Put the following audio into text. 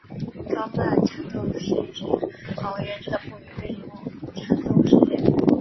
高曼缠斗是一起广为人知的不明飞行物缠斗事件。